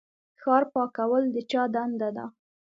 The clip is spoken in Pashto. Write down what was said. ښار پاکول د چا دنده ده؟